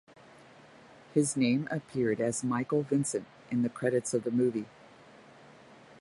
His name appeared as Michael Vincent in the credits of the movie.